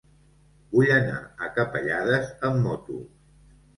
Vull anar a Capellades amb moto.